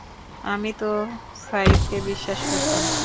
আমি তো সাঈদকে বিশ্বাস করতাম।